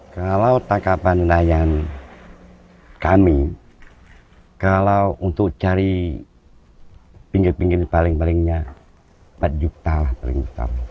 kalau tangkapan nelayan kami kalau untuk cari pinggir pinggir paling palingnya empat juta lah paling besar